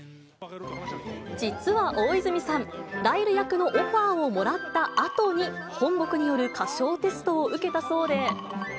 実は大泉さん、ライル役のオファーをもらったあとに、本国による歌唱テストを受けたそうで。